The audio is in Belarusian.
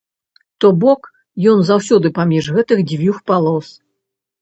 То бок, ён заўсёды паміж гэтых дзвюх палос.